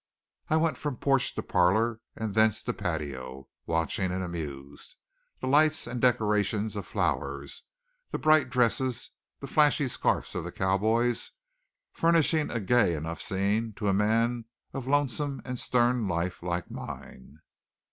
I went from porch to parlor and thence to patio, watching and amused. The lights and the decorations of flowers, the bright dresses and the flashy scarfs of the cowboys furnished a gay enough scene to a man of lonesome and stern life like mine.